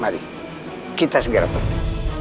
mari kita segera pergi